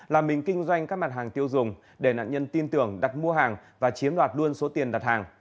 là mình kinh doanh các mặt hàng tiêu dùng để nạn nhân tin tưởng đặt mua hàng và chiếm đoạt luôn số tiền đặt hàng